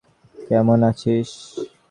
কেমন আছিস?